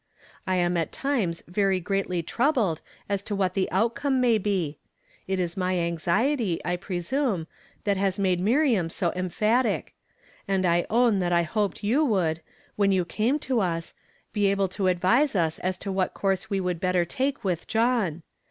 I am at times very greatly troubled as to what the outcome may be. It is my anxiety, 12^ YESTERDAY FRAMED IN TO DAY. I presume, that has made Miriam so emphatic; and I own that I hoped you would, when you came to us, be able to advise as to what course we would better take with John.